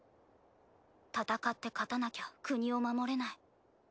戦って勝たなきゃ国を守れない。